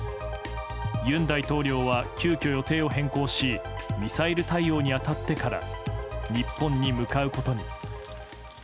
尹大統領は急きょ、予定を変更しミサイル対応に当たってから日本に向かうことに。